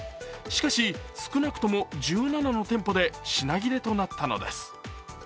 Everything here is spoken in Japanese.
しかし、少なくとも１７の店舗で品切れとなったのです。